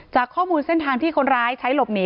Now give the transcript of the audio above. จากข้อมูลเส้นทางที่คนร้ายใช้หลบหนี